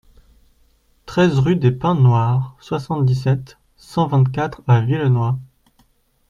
treize rue des Pins Noirs, soixante-dix-sept, cent vingt-quatre à Villenoy